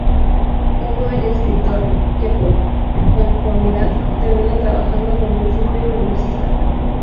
Un joven escritor, que por conformidad termina trabajando como un simple publicista.